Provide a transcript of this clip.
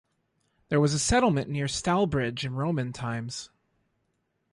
There was a settlement near Stalbridge in Roman times.